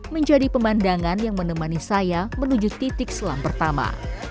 menjadi pemandangan yang menemani saya menuju titik selam pertama